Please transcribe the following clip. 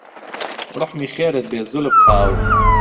روحمی خێرت بێ زولف خاو